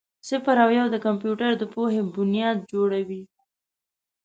صفر او یو د کمپیوټر د پوهې بنیاد جوړوي.